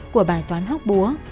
của bài toán hóc búa